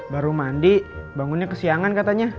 baru mandi bangunnya ke siangan katanya